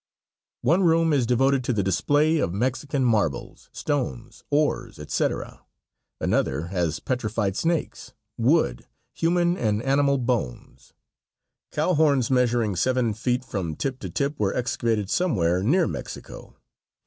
One room is devoted to the display of Mexican marbles, stones, ores, etc. Another has petrified snakes, wood, human and animal bones. Cow horns measuring seven feet from tip to tip were excavated somewhere near Mexico.